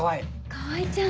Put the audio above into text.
川合ちゃん！